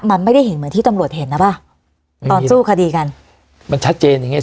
มันไม่ได้เห็นเหมือนที่ตำรวจเห็นนะป่ะตอนสู้คดีกันมันชัดเจนอย่างเงี